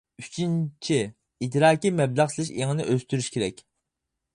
ئۈچىنچى، ئىدراكىي مەبلەغ سېلىش ئېڭىنى ئۆستۈرۈش كېرەك.